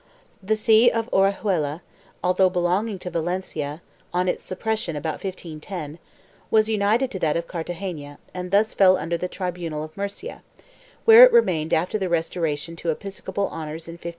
The see of Orihuela, although belonging to Valencia, on its suppression about 1510, was united to that of Cartagena and thus fell under the tribunal of Murcia, where it remained after the restoration to episcopal honors in 1564.